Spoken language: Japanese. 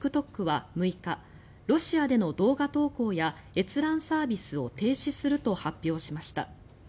ＴｉｋＴｏｋは６日ロシアでの動画投稿や閲覧サービスを停止すると発表しました。